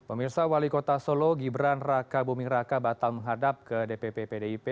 pemirsa wali kota solo gibran raka buming raka batal menghadap ke dpp pdip